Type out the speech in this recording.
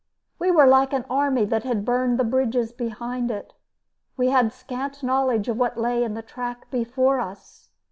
We were like an army that had burned the bridges behind it. We had scant knowledge of what lay in the track before us.